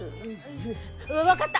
分かった！